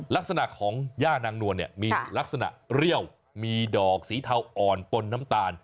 ลักษณะของย่านางนวลเนี่ยมีลักษณะเรี่ยวมีดอกสีเทาอ่อนปนน้ำตาล